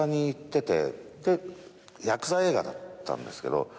ヤクザ映画だったんですけど。